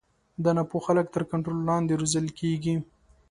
د نا پوه خلکو تر کنټرول لاندې روزل کېږي.